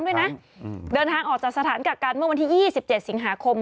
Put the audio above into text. ด้วยนะเดินทางออกจากสถานกักกันเมื่อวันที่๒๗สิงหาคม